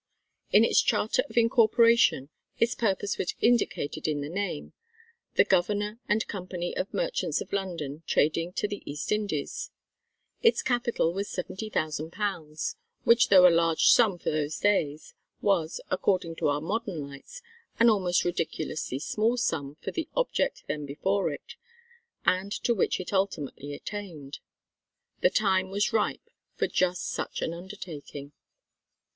In its Charter of Incorporation its purpose was indicated in the name: "The Governor and Company of Merchants of London trading to the East Indies." Its capital was £70,000, which though a large sum for those days, was, according to our modern lights, an almost ridiculously small sum for the object then before it, and to which it ultimately attained. The time was ripe for just such an undertaking.